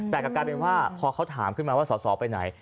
แต่กลับกลายเป็นว่าพอเขาถามขึ้นมาว่าสอสอไปไหน